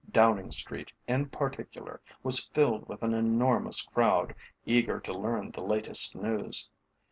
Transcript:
Downing Street, in particular, was filled with an enormous crowd, eager to learn the latest news.